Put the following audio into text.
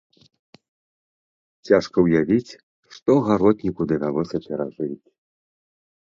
Цяжка ўявіць, што гаротніку давялося перажыць.